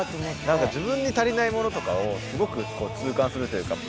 何か自分に足りないものとかをすごく痛感するというか。